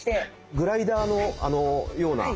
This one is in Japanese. グライダーのような。